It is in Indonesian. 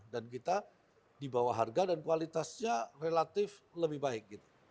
dan kita dibawa harga dan kualitasnya relatif lebih baik gitu